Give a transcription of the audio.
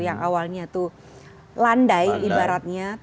yang awalnya itu landai ibaratnya